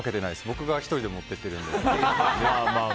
僕が１人で持っていってるので。